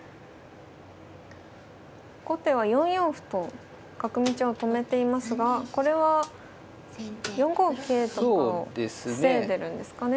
後手は４四歩と角道を止めていますがこれは４五桂とかを防いでるんですかね。